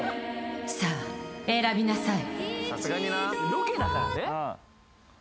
さあ選びなさい